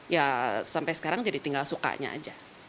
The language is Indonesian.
ya sampai sekarang jadi tinggal sukanya aja